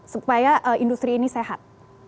supaya industri ini sehat